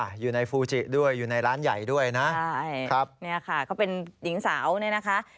อยู่ในฟูจิด้วยอยู่ในร้านใหญ่ด้วยนะใช่ครับเนี่ยค่ะก็เป็นหญิงสาวเนี่ยนะคะ